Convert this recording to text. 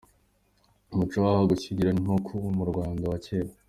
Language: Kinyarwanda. Umuco w’aha mu gushyingirana ngo ni nk’uwo mu Rwanda wa kera.